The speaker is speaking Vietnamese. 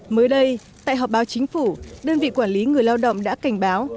mới đây tại họp báo chính phủ đơn vị quản lý người lao động đã cảnh báo